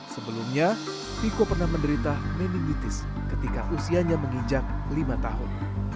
sebelumnya miko pernah menderita meningitis ketika usianya menginjak lima tahun